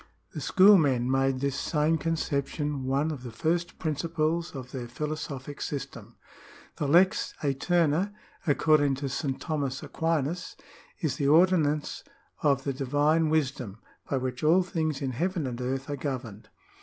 ^ The schoolmen made this same conception one ol the first principles of their philosophic system. The lex azterna, according to St. Thomas Aquinas, is the ordinance of the divine wisdom, by which all things in heaven and earth are governed.